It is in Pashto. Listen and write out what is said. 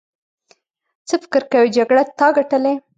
څه فکر کوې جګړه تا ګټلې.